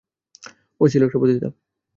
ও ছিল একটা পতিতা।